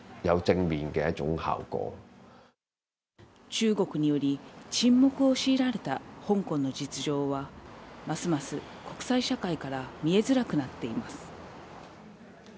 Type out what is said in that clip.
中国により、沈黙を強いられた香港の実情は、ますます国際社会から見えづらくなっています。